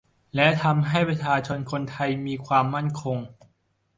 และทำให้ประชาชนคนไทยมีความมั่นคง